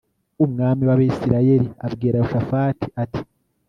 umwami w abisirayeli abwira yehoshafati ati